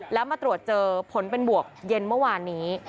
แล้วมาตรวจเจอผลเป็นบวกเย็นเมื่อวานนี้